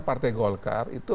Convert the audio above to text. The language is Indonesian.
partai golkar itu